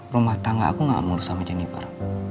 rumah tangga aku gak mulus sama jennifer